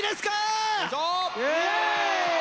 イエーイ！